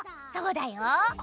そうだよ！